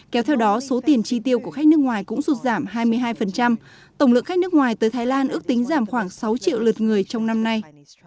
kéo theo đó số tiền tri tiêu của khách nước ngoài cũng sụt giảm hai mươi hai tổng lượng khách nước ngoài tới thái lan ước tính giảm khoảng sáu triệu lượt người trong năm nay